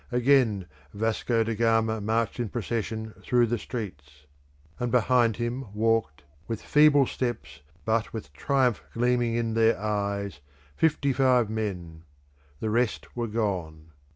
Again Vasco da Gama marched in procession through the streets; and behind him walked, with feeble steps, but with triumph gleaming in their eyes, fifty five men the rest were gone.